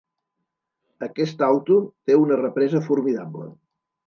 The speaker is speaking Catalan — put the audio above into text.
Aquest auto té una represa formidable.